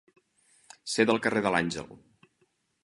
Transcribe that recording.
Ser del carrer de l'Àngel.